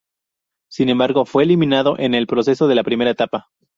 Sin embargo fue eliminado en el proceso de la primera etapa.